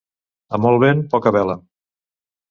A molt vent, poca vela.